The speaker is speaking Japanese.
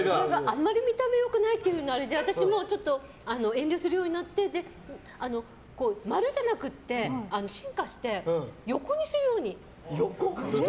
あんまり見た目良くないっていうあれで私も遠慮するようになって丸じゃなくて進化して横にするように。